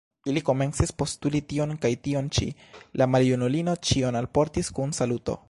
Ili komencis postuli tion kaj tion ĉi; la maljunulino ĉion alportis kun saluto.